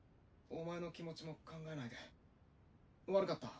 お前の気持ちも考えないで。